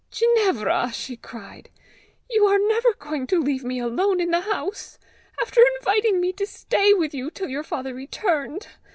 "Ginevra!" she cried, "you are never going to leave me alone in the house! after inviting me to stay with you till your father returned!"